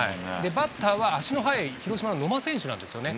バッターは足の速い広島の野間選手なんですよね。